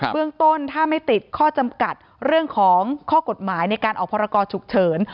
เรื่องต้นถ้าไม่ติดข้อจำกัดเรื่องของข้อกฎหมายในการออกพรกรฉุกเฉิน